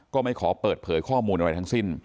ไม่ขอเปิดเผยข้อมูลอะไรทั้งสิ้น